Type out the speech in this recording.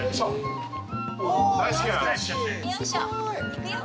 いくよ。